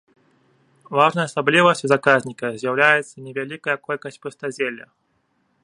Важнай асаблівасцю заказніка з'яўляецца невялікая колькасць пустазелля.